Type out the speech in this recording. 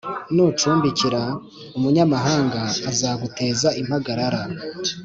Nucumbikira umunyamahanga azaguteza impagarara,